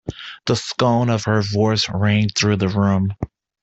The scorn of her voice rang through the room.